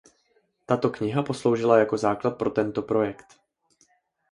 Tato kniha posloužila jako základ pro tento projekt.